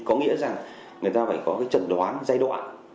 có nghĩa rằng người ta phải có trận đoán giai đoạn